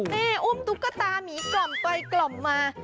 นี่อุ้มตุ๊กตามีกล่อมไปกล่อมมา